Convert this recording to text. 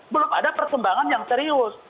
belum ada perkembangan yang serius